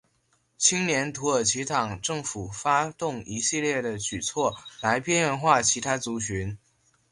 青年土耳其党政府发动一系列的举措来边缘化其他族群。